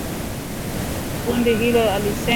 Kundi hilo lilisema kwenye mtandao wake wa mawasiliano